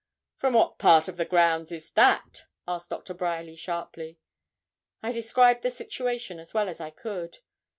'From what part of the grounds is that?' asked Doctor Bryerly, sharply. I described the situation as well as I could.